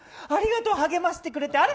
ありがとう、励ましてくれて。